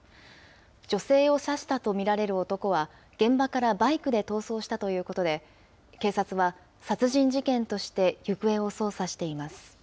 女性を刺したと見られる男は現場からバイクで逃走したということで、警察は、殺人事件として行方を捜査しています。